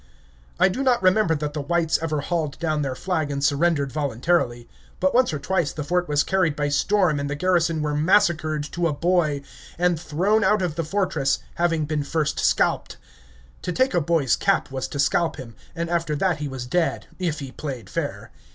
I do not remember that the whites ever hauled down their flag and surrendered voluntarily; but once or twice the fort was carried by storm and the garrison were massacred to a boy, and thrown out of the fortress, having been first scalped. To take a boy's cap was to scalp him, and after that he was dead, if he played fair.